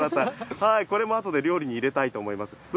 これもあとで料理に入れたいと思います。